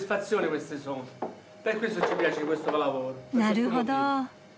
なるほど。